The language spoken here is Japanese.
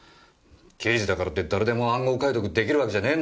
刑事だからって誰でも暗号解読出来るわけじゃねえんだよ。